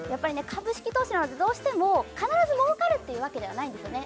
株式投資なのでどうしても必ず儲かるっていうわけではないんですよね